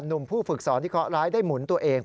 หนุ่มผู้ฝึกสอนที่เคาะร้ายได้หมุนตัวเอง